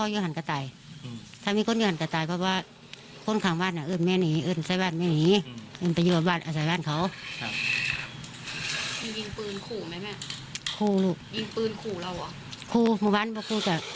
อย่างไงลูกเพื่อนก่อนหน้าสี่ราย